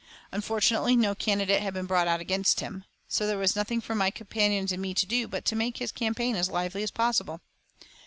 Unfortunately no candidate had been brought out against him. So there was nothing for my companions and me to do but make his campaign as lively as possible.